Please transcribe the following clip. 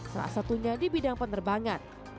salah satunya di bidang penerbangan